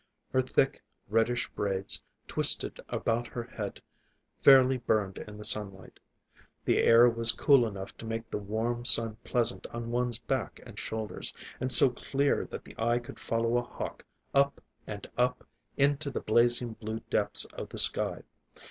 Her thick, reddish braids, twisted about her head, fairly burned in the sunlight. The air was cool enough to make the warm sun pleasant on one's back and shoulders, and so clear that the eye could follow a hawk up and up, into the blazing blue depths of the sky.